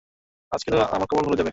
আজকে তো আমার কপাল খুলে যাবে।